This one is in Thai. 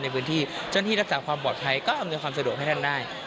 ในพื้นที่จนที่รักษาความปลอดภัยก็รักษาความสะดวกให้ท่านได้